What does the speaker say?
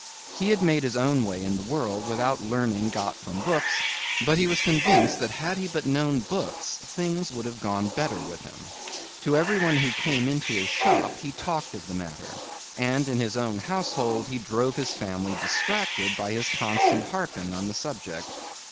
He had made his own way in the world without learning got from books, but he was convinced that had he but known books things would have gone better with him. To everyone who came into his shop he talked of the matter, and in his own household he drove his family distracted by his constant harping on the subject.